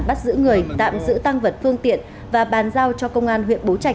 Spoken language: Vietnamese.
bắt giữ người tạm giữ tăng vật phương tiện và bàn giao cho công an huyện bố trạch